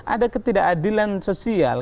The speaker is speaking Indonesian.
ada ketidakadilan sosial